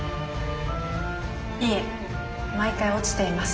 いえ毎回落ちています。